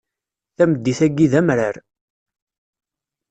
Tameddit-agi d amrar.